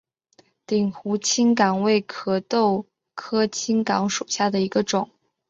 鼎湖青冈为壳斗科青冈属下的一个种。